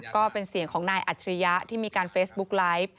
ก็เป็นเสียงของนายอัจฉริยะที่มีการเฟซบุ๊กไลฟ์